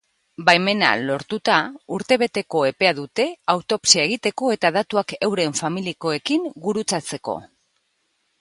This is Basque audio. Baimena lortuta, urtebeteko epea dute autopsia egiteko eta datuak euren familiakoekin gurutzatzeko.